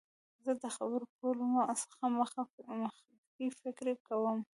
زه د خبرو کولو څخه مخکي فکر کوم.